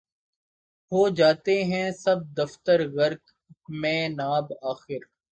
ہو جاتے ہیں سب دفتر غرق مے ناب آخر